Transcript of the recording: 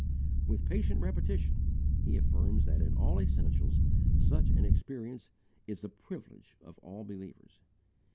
With patient repetition he affirms that in all essentials such an experience is the privilege of all believers.